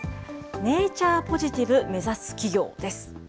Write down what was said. ネイチャーポジティブ目指す企業です。